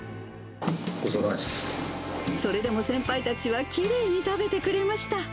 それでも先輩たちはきれいに食べてくれました。